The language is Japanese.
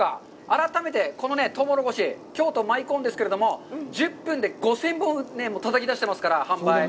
改めて、このとうもろこし、京都舞コーンですけれども、１０分で５０００本たたき出してますから、販売。